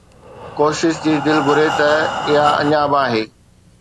ڪوشش جي، دل گهري ته اُها اڃا به آهي